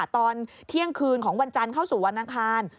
ตอนเที่ยงคืนของวันจันทร์เข้าสู่วันอังคาร